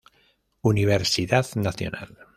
Universidad Nacional.